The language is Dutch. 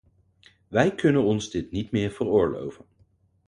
Wij kunnen ons dit niet meer veroorloven.